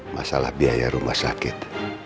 masalah biaya rumah sakit